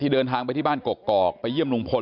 เดินทางไปที่บ้านกกอกไปเยี่ยมลุงพล